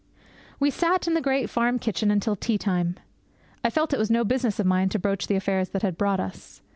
We sat in the great farm kitchen until tea time. I felt it was no business of mine to broach the affairs that had brought us.